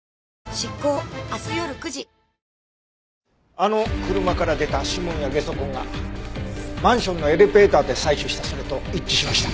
あの車から出た指紋やゲソ痕がマンションのエレベーターで採取したそれと一致しました。